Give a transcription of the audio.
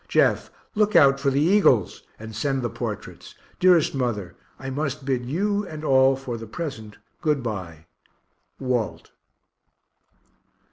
Jeff, look out for the Eagles, and send the portraits. Dearest mother, I must bid you and all for the present good bye. WALT.